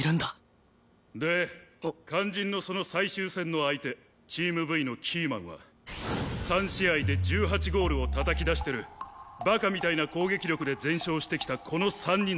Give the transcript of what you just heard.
で肝心のその最終戦の相手チームＶのキーマンは３試合で１８ゴールをたたき出してるバカみたいな攻撃力で全勝してきたこの３人だ。